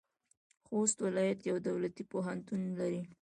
خوست ولایت یو دولتي پوهنتون لري.